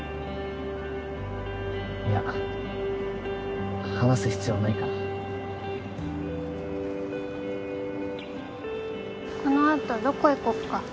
いや話す必要ないからこのあとどこ行こっか？